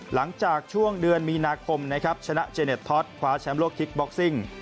หลังจากช่วงเดือนมีนาคมนะครับชนะเจเน็ตท็อตคว้าแชมป์โลกคิกบ็อกซิ่ง